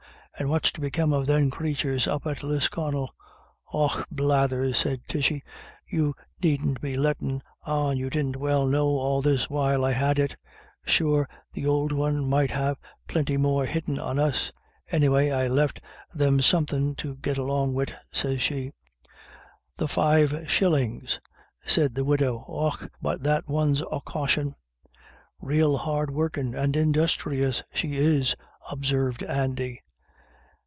And what's to become of them crathurs up at Lisconnel ?'' Och blathers,' sez Tishy, ' you needn't be lettin' on you didn't well know all this while I had it. Sure th' ould one might ha' plinty more hidden on us. Anyway, I left them some thin' to git along wid,' sez she —" "The five shillins," said the widow. "Och, but that one's a caution." "Rael hard workin' and industhrious she is," observed Andy.